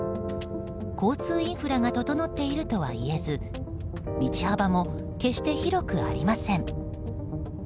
交通インフラが整っているとはいえず道幅も決して広くありません。